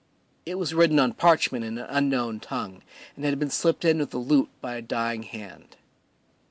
It was written on parchment in an unknown tongue, and had been slipped in with the loot by a dying hand.